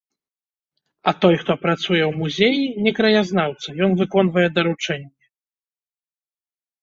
А той, хто працуе ў музеі,— не краязнаўца, ён выконвае даручэнні.